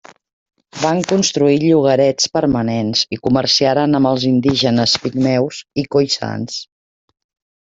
Van construir llogarets permanents, i comerciaren amb els indígenes pigmeus i khoisans.